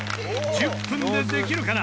１０分でできるかな